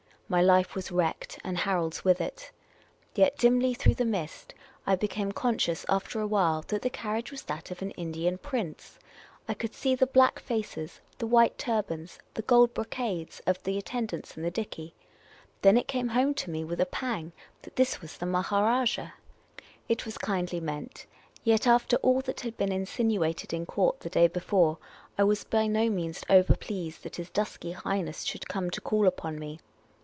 My life was wrecked, and Harold's with it. Yet, dimly through the mist, I became conscious after a while that the carriage was that of an Indian prince ; I could see the black faces, the white turbans, the gold brocades of the attendants in the dickey. Then it came home to me with a pang that this was the Maharajah. It was kindly meant ; yet after all that had been insinu ated in court the day before, I was by no means overpleased that his dusky Highness should come to call upon me.